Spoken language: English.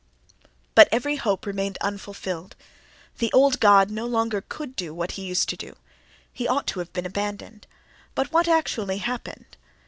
—But every hope remained unfulfilled. The old god no longer could do what he used to do. He ought to have been abandoned. But what actually happened?